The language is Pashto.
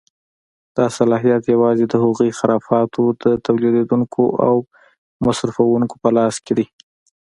دا صلاحیت یوازې د همدې خرافاتو د تولیدوونکیو او مصرفوونکیو په لاس کې دی.